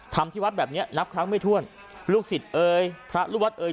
ที่วัดแบบเนี้ยนับครั้งไม่ถ้วนลูกศิษย์เอ่ยพระลูกวัดเอ่ย